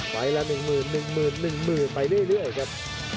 ไฟล์า๑๑๐๐ไปเรื่อยครับ